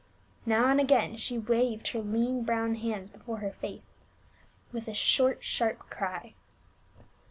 Now and again she waved her lean brown hands before her face \sith a short sharp cry.